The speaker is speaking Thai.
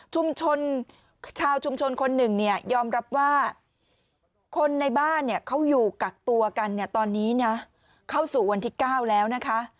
ชาวชุมชนคนหนึ่งเนี่ยยอมรับว่าคนในบ้านเขาอยู่กักตัวกันเนี่ยตอนนี้นะเข้าสู่วันที่๙แล้วนะคะ